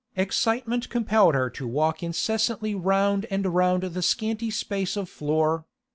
Excitement compelled her to walk incessantly round and round the scanty space of floor.